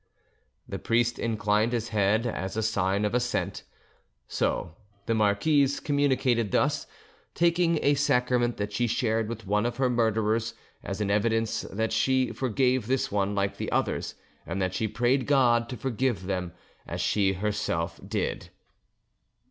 The priest inclined his head as a sign of assent. So the marquise communicated thus, taking a sacrament that she shared with one of her murderers, as an evidence that she forgave this one like the others and that she prayed God to forgive them as she herself did.